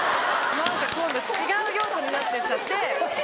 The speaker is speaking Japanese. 何か今度違う用途になってっちゃって。